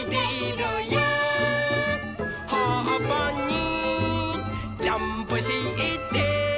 「はっぱにジャンプして」